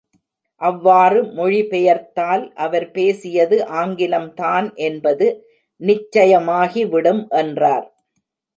அவ்வாறு மொழி பெயர்த்தால், அவர் பேசியது ஆங்கிலம்தான் என்பது நிச்சயமாகிவிடும் என்றார்.